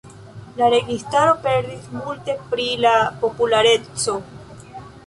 La registaro perdis multe pri la populareco.